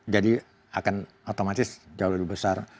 jadi akan otomatis jauh lebih besar